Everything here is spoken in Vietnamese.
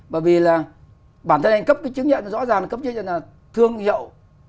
bởi vì là bản thân anh cấp cái chứng nhận rõ ràng là thương hiệu